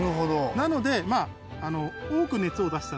なので。